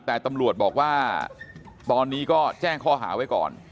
แต่ตำรวจบอกว่าตอนนี้ก็แจ้งข้อหาไว้ก่อน